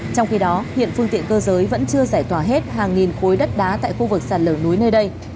trong khi đó hiện phương tiện cơ giới vẫn chưa giải tỏa hết hàng nghìn khối đất đá tại khu vực sạt lở núi nơi đây